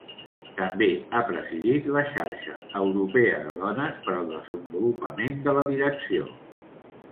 També ha presidit la Xarxa Europea de Dones per al Desenvolupament de la Direcció.